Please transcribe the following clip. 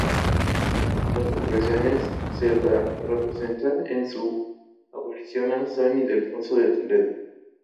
En otras ocasiones se la representa en su aparición a San Ildefonso de Toledo.